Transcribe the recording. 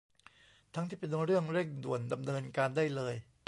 ทั้งที่เป็นเรื่องเร่งด่วนดำเนินการได้เลย